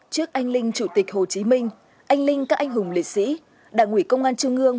trước anh linh chủ tịch hồ chí minh anh linh các anh hùng liệt sĩ đảng ủy công an trung ương